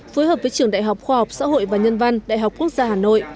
phối hợp với trường đại học khoa học xã hội và nhân văn đại học quốc gia hà nội